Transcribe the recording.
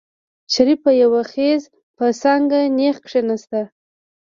شريف په يو خېز په څانګه نېغ کېناست.